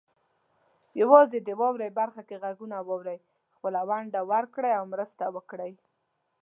یوازې د "واورئ" برخه کې غږونه واورئ، خپله ونډه ورکړئ او مرسته وکړئ.